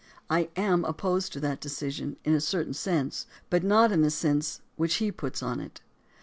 I am opposed to that decision in a certain sense, but not in the sense which he puts on it.